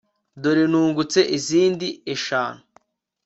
dore nungutse izindi eshanu